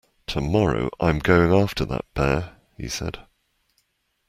Tomorrow I'm going after that bear, he said.